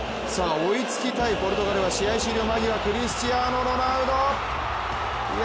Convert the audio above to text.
追いつきたいポルトガルは試合終了間際クリスチアーノ・ロナウド。